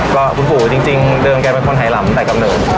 คุณผู้จริงเดินการเป็นคนไทยหลำตั้งแต่กำเนิน